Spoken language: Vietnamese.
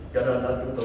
cho nên là chúng tôi